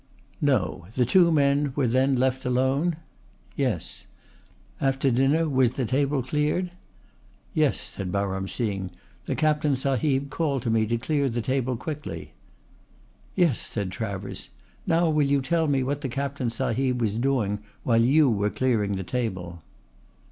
"No. The two men were then left alone?" "Yes." "After dinner was the table cleared?" "Yes," said Baram Singh, "the Captain sahib called to me to clear the table quickly." "Yes," said Travers. "Now, will you tell me what the Captain sahib was doing while you were clearing the table?"